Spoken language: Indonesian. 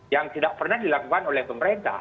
yang tidak pernah dilakukan oleh pemerintah